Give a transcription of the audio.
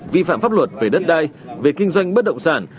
vi phạm pháp luật về đất đai về kinh doanh bất động sản